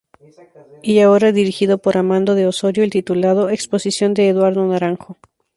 Y ahora, dirigido por Amando de Ossorio, el titulado "Exposición de Eduardo Naranjo".